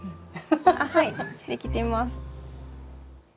はいできてます。